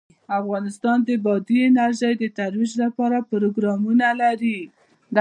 افغانستان د بادي انرژي د ترویج لپاره پروګرامونه لري.